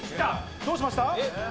どうしました？